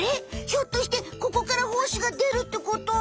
ひょっとしてここからほうしがでるってこと？